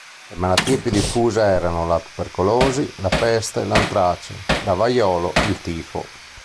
Le malattie più diffuse erano la tubercolosi, la peste, l'antrace, la vaiolo, il tifo.